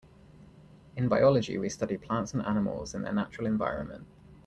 In biology we study plants and animals in their natural environment.